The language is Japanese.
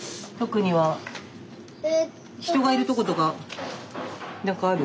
人がいるとことか何かある？